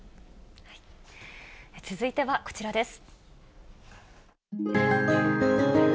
続いてはこちらです。